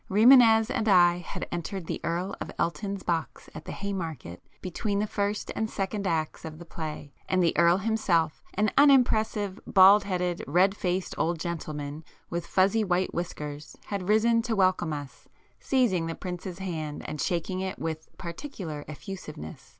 Rimânez and I had entered the Earl of Elton's box at the Haymarket between the first and second acts of the play, and the Earl himself, an unimpressive, bald headed, red faced old gentleman, with fuzzy white whiskers, [p 86] had risen to welcome us, seizing the prince's hand and shaking it with particular effusiveness.